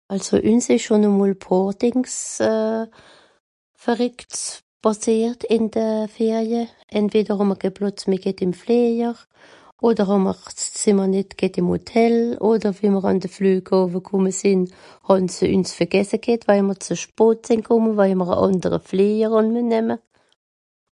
Àlso üns ìsch schùn emol pààr Dìngs euh... verrìckts pàssìert ìn de Ferie. Entweder hàà-m'r ke Plàtz meh ghet ìm Flìejer, odder hàà-m'r s'Zìmmer nìt ghet ìm Hotel, odder wie m'r àn de Flüeghàffe kùmme sìnn, hàn se üns vergesse ghet, waje m'r ze spot sìnn kùmme, waje m'r e àndere Flìejer hàn müen nemme.